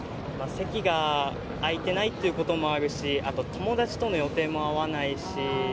席が空いてないということもあるし、あと、友達との予定も会わないし。